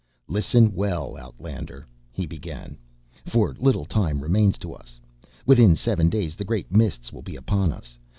"Listen well, outlander," he began, "for little time remains to us. Within seven days the Great Mists will be upon us.